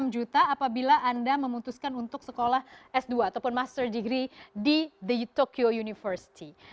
enam juta apabila anda memutuskan untuk sekolah s dua ataupun master degree di the tokyo university